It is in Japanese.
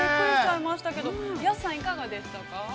安さん、いかがでしたか。